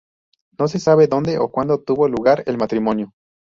No se sabe dónde o cuándo tuvo lugar el matrimonio.